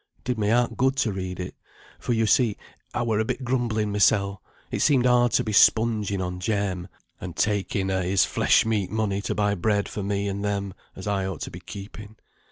It did my heart good to read it; for, yo see, I were a bit grumbling mysel; it seemed hard to be spunging on Jem, and taking a' his flesh meat money to buy bread for me and them as I ought to be keeping.